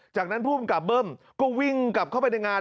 จากนั้นผู้กำกับเบิ้มก็วิ่งกลับเข้าไปในงาน